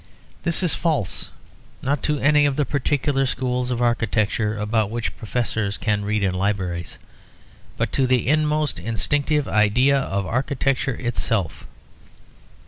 This is false, not to any of the particular schools of architecture about which professors can read in libraries, but to the inmost instinctive idea of architecture itself.